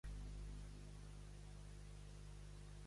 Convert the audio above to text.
Mare de Déu de l'Empenta i Sant Cristo de Balaguer!